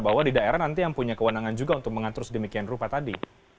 bahwa di daerah nanti yang punya kewenangan juga untuk mengatur sedemikian rupa tadi